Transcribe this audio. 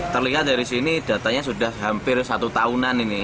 terlihat dari sini datanya sudah hampir satu tahunan ini